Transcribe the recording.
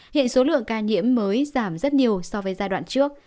hiện số lượng ca nhiễm mới giảm rất nhiều so với giai đoạn trước